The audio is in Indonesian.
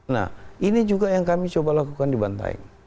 nah ini juga yang kami coba lakukan di bantaeng